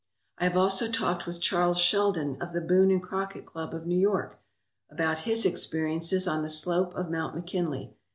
I have also talked with Charles Sheldon of the Boone and Crockett Club of New York about his experiences on the slope of Mount McKinley.